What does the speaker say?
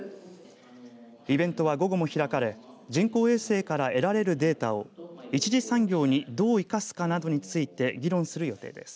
イベントは午後も開かれ人工衛星から得られるデータを１次産業にどう生かすかなどについて議論する予定です。